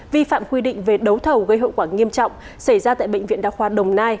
vi phạm quy định về đấu thầu gây hậu quả nghiêm trọng xảy ra tại bệnh viện đa khoa đồng nai